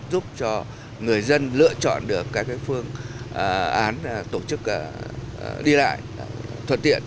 giúp cho người dân lựa chọn được các phương án tổ chức đi lại thuận tiện